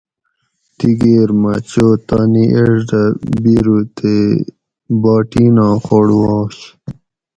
دیگیر مہ چو تانی ایڄ دہ بیرو تے باٹیناں خوڑ واش